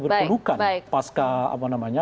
berkeluhkan baik baik pasca apa namanya